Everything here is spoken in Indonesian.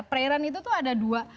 perairan itu tuh ada dua